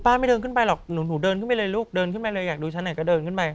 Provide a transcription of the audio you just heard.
ไม่เดินขึ้นไปหรอกหนูเดินขึ้นไปเลยลูกเดินขึ้นไปเลยอยากดูชั้นไหนก็เดินขึ้นไป